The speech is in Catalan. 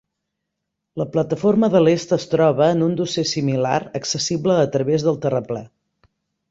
La plataforma de l'est es troba en un dosser similar accessible a través del terraplè.